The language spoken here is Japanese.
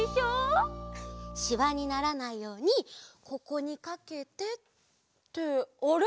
しわにならないようにここにかけてってあれ？